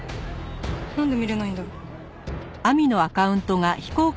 なんで見れないんだろ。